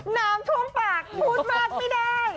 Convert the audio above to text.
น้ำท่วมปากพูดมากไม่ได้